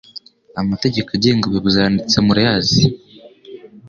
Amategeko agenga abayobazi aranditse murayazi